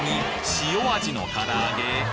塩味のから揚げ？